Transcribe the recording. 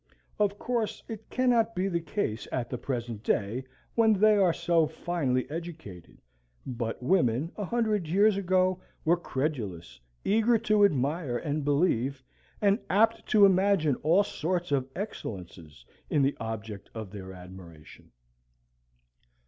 Of course it cannot be the case at the present day when they are so finely educated, but women, a hundred years ago, were credulous, eager to admire and believe, and apt to imagine all sorts of excellences in the object of their admiration.